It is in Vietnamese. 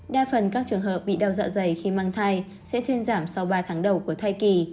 đa phần các trường hợp bị đau dạ dày khi mang thai sẽ thuyên giảm sau ba tháng đầu của thai kỳ